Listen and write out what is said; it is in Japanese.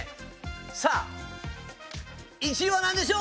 さあ１位は何でしょう